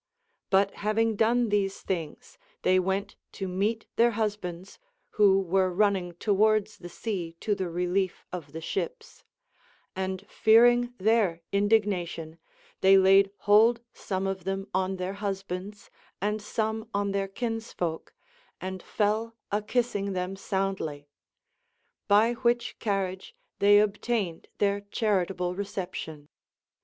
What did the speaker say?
But having done these things, they went to meet their husbands, who were running towards the sea to the relief of the ships ; and fearing their indignation, they laid hold some of them on their husbands, and some on their kinsfolk, and fell a kissing them soundly ; by which carriage they obtained their charitable reception.